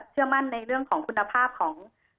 เชื่อมั่นในเรื่องของคุณภาพของ